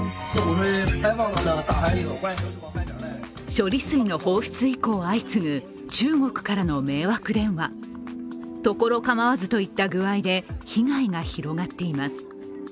処理水の放出以降相次ぐ中国からの迷惑電話所構わずといった具合で被害が広がっています